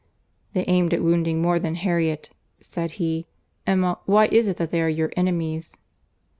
"They aimed at wounding more than Harriet," said he. "Emma, why is it that they are your enemies?"